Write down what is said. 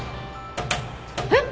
えっ！？